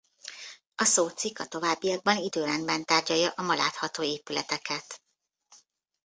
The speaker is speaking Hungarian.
A szócikk a továbbiakban időrendben tárgyalja a ma látható épületeket.